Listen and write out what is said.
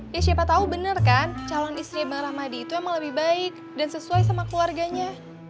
ya siapa tahu benar kan calon istri bang rahmadi itu emang lebih baik dan sesuai sama keluarganya